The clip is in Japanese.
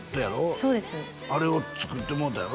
そうですあれを作ってもろうたんやろ？